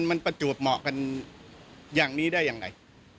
มันประจวบเหมาะกันอย่างนี้ได้อย่างไร